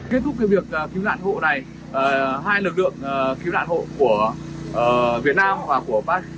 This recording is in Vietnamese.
kết thúc việc cứu nạn hộ này hai lực lượng cứu nạn hộ của việt nam và của pak